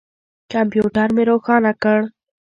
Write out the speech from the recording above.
کمپیوټر مې روښانه کړ.